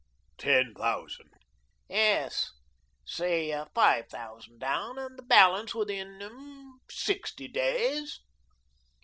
"Ten thousand?" "Yes. Say five thousand down, and the balance within sixty days."